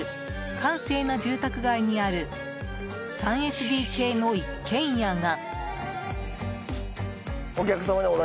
閑静な住宅街にある３ＳＤＫの一軒家が。